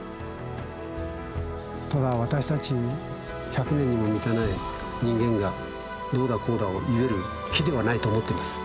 ただ私たち１００年にも満たない人間がどうだこうだを言える木ではないと思ってます。